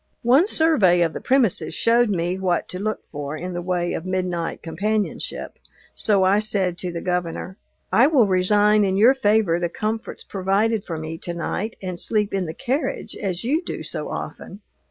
One survey of the premises showed me what to look for in the way of midnight companionship, so I said to the Governor, "I will resign in your favor the comforts provided for me to night, and sleep in the carriage, as you do so often."